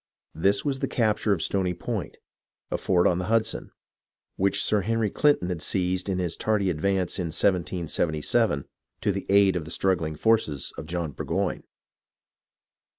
This was the capture of Stony Point, a fort on the Hudson, which Sir Henry Clinton had seized in his tardy advance in 1777 to the aid of the struggHng forces of John Burgoyne.